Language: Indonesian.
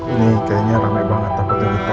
ini kayaknya rame banget tempatnya kita